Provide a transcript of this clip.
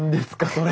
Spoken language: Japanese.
それ。